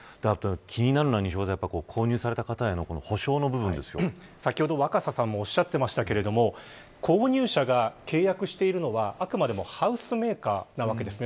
気になるのは、西岡さん購入された方への先ほど、若狭さんもおっしゃってましたが購入者が契約しているのはあくまでもハウスメーカーなわけです。